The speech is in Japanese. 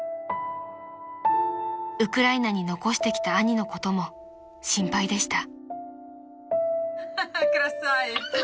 ［ウクライナに残してきた兄のことも心配でした］